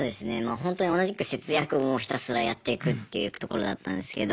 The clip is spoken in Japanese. ホントに同じく節約をひたすらやっていくっていうところだったんですけど。